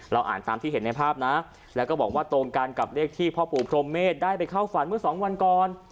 อ่านตามที่เห็นในภาพนะแล้วก็บอกว่าตรงกันกับเลขที่พ่อปู่พรมเมษได้ไปเข้าฝันเมื่อสองวันก่อน